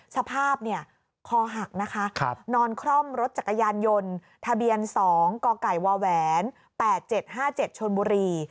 สภาพคอหักนะคะนอนคร่อมรถจักรยานยนต์ทะเบียน๒กกว๘๗๕๗ชนบุรี